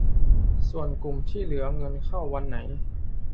ส่วนกลุ่มที่เหลือเงินเข้าวันไหน